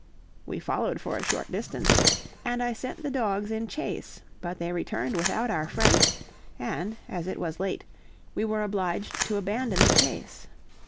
We followed for a short distance, and I sent the dogs in chase, but they returned without our friend, and, as it was late, we were obliged to abandon the chase.